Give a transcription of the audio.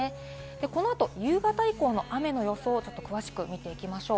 このあと、夕方以降の雨の予想を詳しく見ていきましょう。